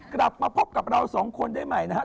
กลับมาพบกับเราสองคนได้ใหม่นะครับ